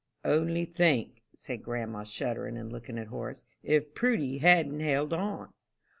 "Only think," said grandma, shuddering, and looking at Horace, "if Prudy hadn't held on!"